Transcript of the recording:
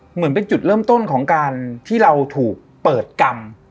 เหมือนเป็นจุดเริ่มต้นของการที่เราถูกเปิดกรรม